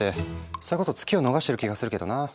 それこそ「ツキ」を逃してる気がするけどなぁ。